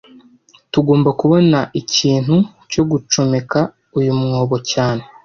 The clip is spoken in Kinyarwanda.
Tugomba kubona ikintu cyo gucomeka uyu mwobo cyane